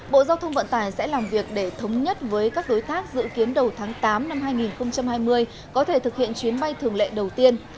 bộ giao thông vận tải sẽ làm việc để thống nhất với các đối tác dự kiến đầu tháng tám năm hai nghìn hai mươi có thể thực hiện chuyến bay thường lệ đầu tiên